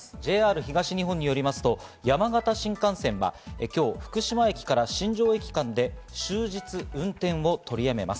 ＪＲ東日本によりますと、山形新幹線は今日、福島駅から新庄駅間で終日運転を取りやめます。